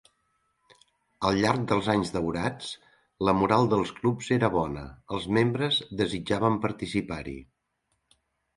Al llarg dels anys daurats, la moral dels clubs era bona, els membres desitjaven participar-hi.